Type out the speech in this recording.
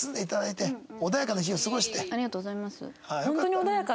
ありがとうございます。